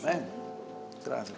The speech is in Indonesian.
ya terima kasih